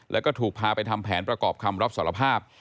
แล้วก็ถูกพาไปทำแผนประกอบคำรับสารภาพ